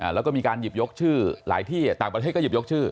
แล้วก็มีการหยิบยกชื่อหลายที่ต่างประเทศก็หยิบยกชื่อ